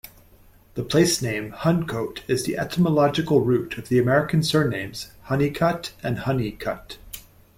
The place-name Huncote is the etymological root of the American surnames Hunnicutt, and Honeycut.